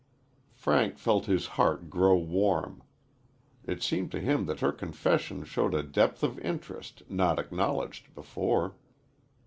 '" Frank felt his heart grow warm. It seemed to him that her confession showed a depth of interest not acknowledged before.